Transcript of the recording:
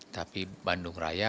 tapi bandung raya